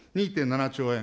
２．７兆円。